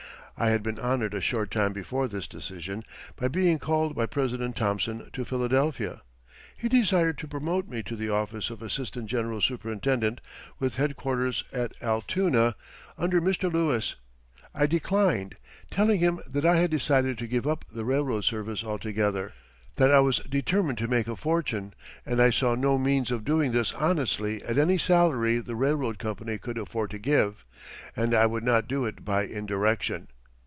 I had been honored a short time before this decision by being called by President Thomson to Philadelphia. He desired to promote me to the office of assistant general superintendent with headquarters at Altoona under Mr. Lewis. I declined, telling him that I had decided to give up the railroad service altogether, that I was determined to make a fortune and I saw no means of doing this honestly at any salary the railroad company could afford to give, and I would not do it by indirection.